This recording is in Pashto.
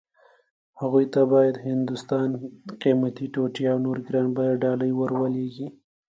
هغوی ته باید هندوستاني قيمتي ټوټې او نورې ګران بيه ډالۍ ور ولېږي.